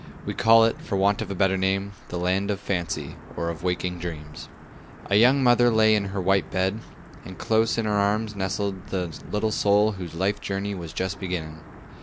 We call it, for want of a better name, "The land of fancy, or of waking dreams." A young mother lay in her white bed, and close in her arms nestled the little soul whose life journey was just beginning.